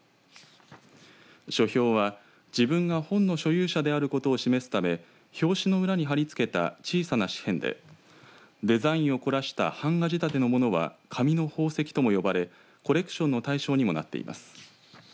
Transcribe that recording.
書票は、自分が本の所有者であることを示すため表紙の裏に貼り付けた小さな紙片でデザインを凝らした版画仕立てのものは紙の宝石とも呼ばれコレクションの対象にもなっています。